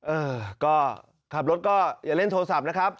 เออก็ขับรถก็อย่าเล่นโทรศัพท์นะครับ